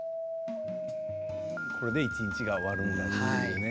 これで一日が終わるんだよね。